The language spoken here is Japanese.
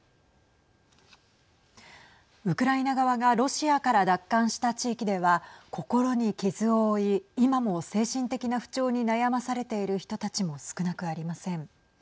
ウクライナ側がロシアから奪還した地域では心に傷を負い今も精神的な不調に悩まされている人たちも少なくありません。